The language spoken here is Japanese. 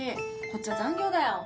こっちは残業だよ。